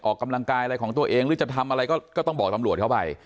ออกกำลังกายอะไรของตัวเองหรือจะทำอะไรก็ต้องบอกตำรวจเข้าไป